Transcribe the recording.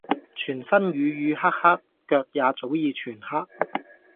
全身瘀瘀黑黑，腳也早已全黑